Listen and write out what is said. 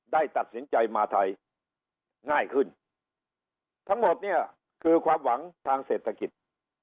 ได้ตัดสินใจมาไทยง่ายขึ้นทั้งหมดเนี่ยคือความหวังทางเศรษฐกิจ